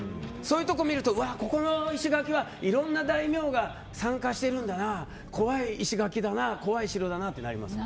それを見ると、この石垣はいろんな大名が参加している怖い石垣だな怖い城だなってなります。